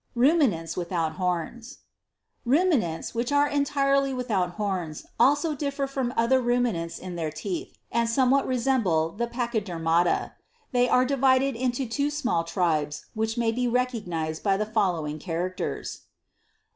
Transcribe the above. Ruminants without Horns. 12. Ruminants, which are entirely without horns, also differ from other Ruminants in their teeth, and somewhat resemble the Pachydermata. They are divided into two small tribes which may be recognised by the following characters : (Tribes.)